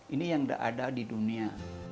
ini yang ada di dunia